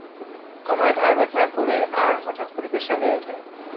আমার ঘাড় ব্যথা করে আর হঠাৎ করে প্রেসার বেড়ে যায়।